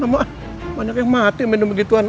lama banyak yang mati minum begituan